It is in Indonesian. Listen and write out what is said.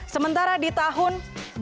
sementara di tahun dua ribu enam belas